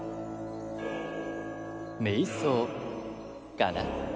瞑想かな。